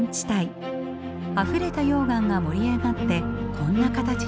あふれた溶岩が盛り上がってこんな形になったそうです。